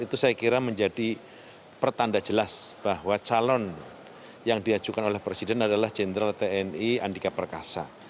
itu saya kira menjadi pertanda jelas bahwa calon yang diajukan oleh presiden adalah jenderal tni andika perkasa